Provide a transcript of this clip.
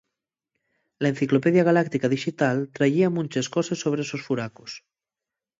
La enciclopedia galáctica dixital trayía munches coses sobre esos furacos.